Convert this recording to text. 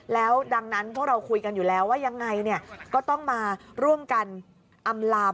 แล้วดังนั้นพวกเราคุยกันอยู่แล้วว่ายังไงก็ต้องมาร่วมกันอำลาม